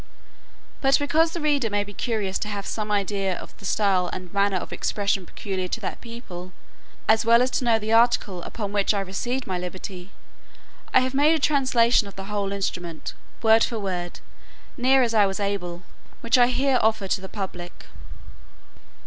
But because the reader may be curious to have some idea of the style and manner of expression peculiar to that people, as well as to know the article upon which I recovered my liberty, I have made a translation of the whole instrument, word for word, as near as I was able, which I here offer to the public.